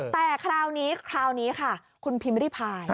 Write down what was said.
แต่คราวนี้คราวนี้ค่ะคุณพิมพิริพาย